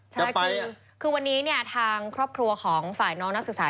ใช่คือวันนี้เนี่ยทางครอบครัวของฝ่ายน้องนักศึกษา